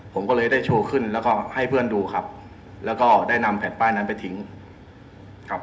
ผมก็เลยได้โชว์ขึ้นแล้วก็ให้เพื่อนดูครับแล้วก็ได้นำแผ่นป้ายนั้นไปทิ้งครับ